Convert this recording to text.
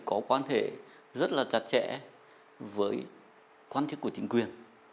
có quan hệ rất là chặt chẽ với quan chức của chính quyền